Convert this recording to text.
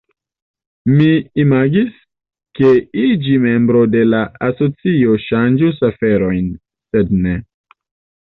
Mi imagis, ke iĝi membro de la asocio ŝanĝus aferojn, sed ne.